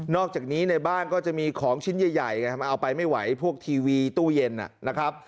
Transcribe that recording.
อกจากนี้ในบ้านก็จะมีของชิ้นใหญ่ไงมันเอาไปไม่ไหวพวกทีวีตู้เย็นนะครับ